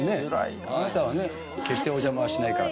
あなたはね「決してお邪魔はしないから」